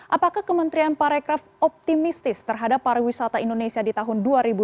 apakah kementerian parekraf optimistis terhadap pariwisata indonesia di tahun dua ribu dua puluh